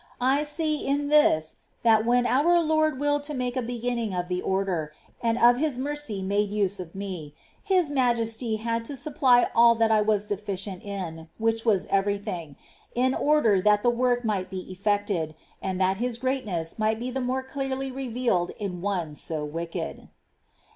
I see in this that when our Lord willed to make a beginning of the Order, and of His mercy made use of me. His Majesty had to supply all that I was deficient in, which was every thing, in order that the work might be eflPected, and that His greatness might be the more clearly revealed in one so wicked.